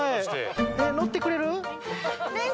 乗ってくれる？